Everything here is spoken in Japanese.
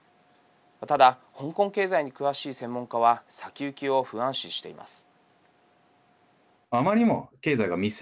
ただ、香港経済に詳しい専門家は先行きを不安視しています。